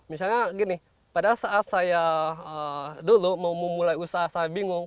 misalnya gini pada saat saya dulu mau memulai usaha saya bingung